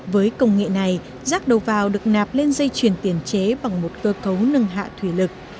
với công nghệ này rác đầu vào được nạp lên dây chuyền tiền chế bằng một cơ cấu nâng hạ thủy lực